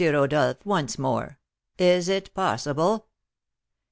Rodolph, once more, is it possible?"